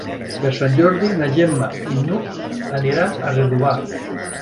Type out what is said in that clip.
Per Sant Jordi na Gemma i n'Hug aniran a Redovà.